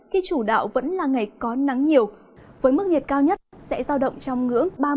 khi chủ đạo vẫn là ngày có nắng nhiều với mức nhiệt cao nhất sẽ do động trong ngưỡng ba mươi hai đến ba mươi năm độ